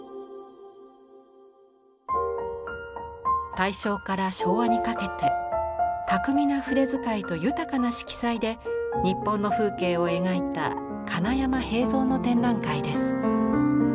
大正から昭和にかけて巧みな筆遣いと豊かな色彩で日本の風景を描いた金山平三の展覧会です。